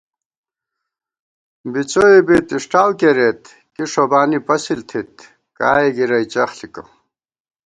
بِڅوئےپت اِݭٹاؤ کېرېت کی ݭوبانی پَسِل تھِت کائےگِرَئی چخ ݪِکہ